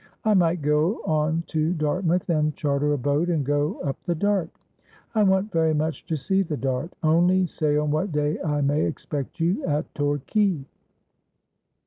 I might go on to Dartmouth, and charter a boat, and go up the Dart. I want very much to see the Dart. Only say on what day I may expect you at Torquay.'